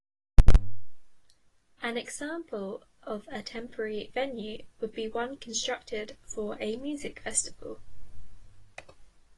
An example of a temporary venue would be one constructed for a music festival.